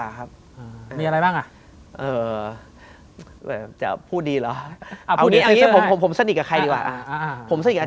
เอาอันนี้อันเนี้ยผมสนิทกับใครดีกว่า